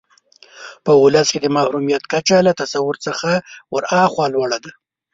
په ولس کې د محرومیت کچه له تصور څخه ورهاخوا لوړه ده.